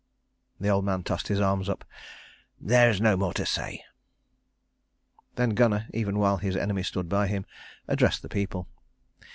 The old man tossed his arms up. "There is no more to say." Then Gunnar, even while his enemy stood by him, addressed the people.